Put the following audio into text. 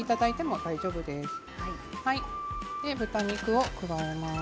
お肉を加えます。